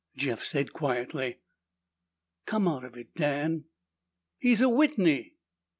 Jeff said quietly, "Come out of it, Dan." "He's a Whitney!"